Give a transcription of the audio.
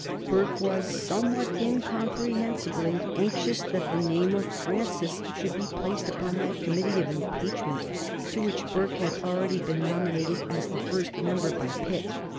Burke was, somewhat incomprehensibly, anxious that the name of Francis should be placed upon that Committee of Impeachment to which Burke had already been nominated as the first member by Pitt.